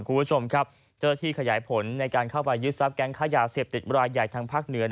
คุณผู้ชมครับเจ้าที่ขยายผลในการเข้าไปยึดทรัพย์แก๊งค้ายาเสพติดรายใหญ่ทางภาคเหนือ